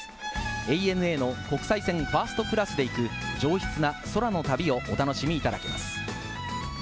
ＡＮＡの国際線ファーストクラスで行く、上質な空の旅をお楽しみいただけます。